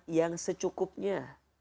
makan yang secukupnya